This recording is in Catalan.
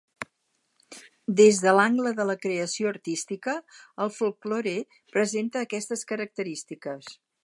Des de l’angle de la creació artística, el folklore presenta aquestes característiques.